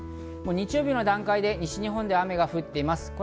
日曜日の段階で西日本で雨が降っています。